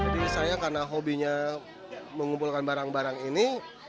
jadi saya karena hobinya mengumpulkan barang barang ini